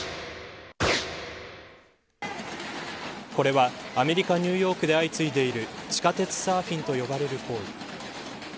これはアメリカニューヨークで相次いでいる地下鉄サーフィンと呼ばれる行為。